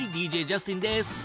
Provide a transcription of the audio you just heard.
ＤＪジャスティンです。